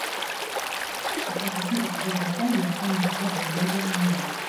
Il participe à plusieurs batailles et atteint le grade de major-général.